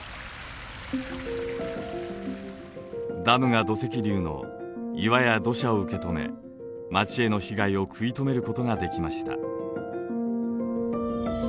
ダムが土石流の岩や土砂を受け止め町への被害を食い止めることができました。